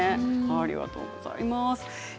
ありがとうございます。